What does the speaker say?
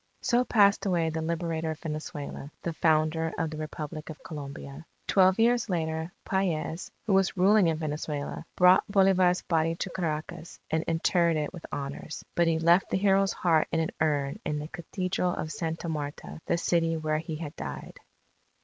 _ So passed away the Liberator of Venezuela, the founder of the Republic of Colombia. Twelve years later Paez, who was ruling in Venezuela, brought Bolivar's body to Caracas and interred it with honours. But he left the hero's heart in an urn in the Cathedral of Santa Marta, the city where he had died.